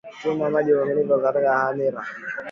tumia maji ya uvuguvugu kuumulia hamira